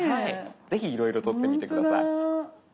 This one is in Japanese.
是非いろいろ撮ってみて下さい。